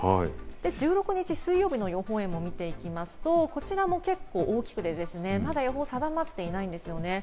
１６日水曜日の予報円を見ていきますと、こちらも結構大きくてですね、まだ予報が定まっていないんですね。